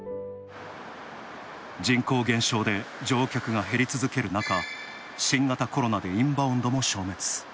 人口減少で乗客が減りつづけるなか新型コロナでインバウンドも消滅。